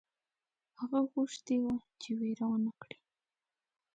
هغه غوښتي وه چې وېره ونه کړي.